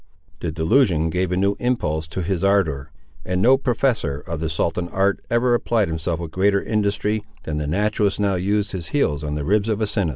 The delusion gave a new impulse to his ardour; and no professor of the saltant art ever applied himself with greater industry, than the naturalist now used his heels on the ribs of Asinus.